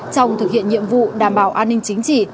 trong thực hiện nhiệm vụ đảm bảo an ninh chính trị